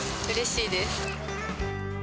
うれしいです。